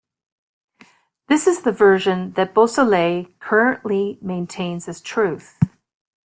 This is the version that Beausoleil currently maintains as truth.